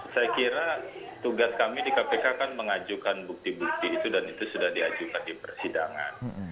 saya kira tugas kami di kpk kan mengajukan bukti bukti itu dan itu sudah diajukan di persidangan